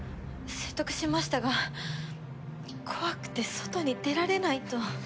説得しましたが怖くて外に出られないと。